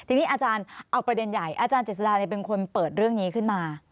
ทีนี้อาจารย์เอาประเด็นใหญ่อาจารย์เจษดาเป็นคนเปิดเรื่องนี้ขึ้นมา